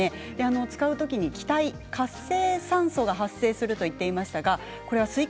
使うときに活性酸素が発生すると言っていました。